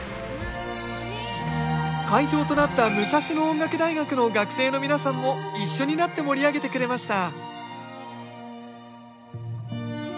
会場となった武蔵野音楽大学の学生の皆さんも一緒になって盛り上げてくれました